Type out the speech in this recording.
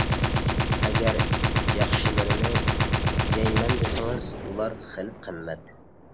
ئەگەر ياخشىلىرىنى يەيمەن دېسىڭىز ئۇلار خېلى قىممەت.